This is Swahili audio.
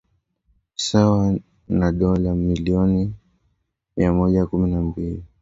sawa na dola milioni mia moja kumi na mbili